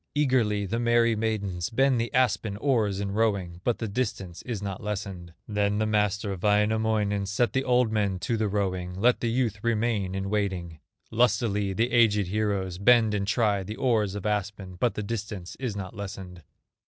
Eagerly the merry maidens Bend the aspen oars in rowing, But the distance is not lessened. Then the master, Wainamoinen, Set the old men to the rowing, Let the youth remain in waiting. Lustily the aged heroes Bend and try the oars of aspen, But the distance is not lessened.